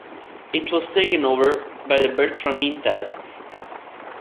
It was taken over by the Bertram interests.